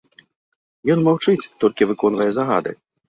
Ён маўчыць, толькі выконвае загады.